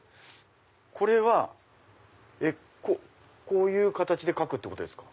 これはこういう形で書くってことですか？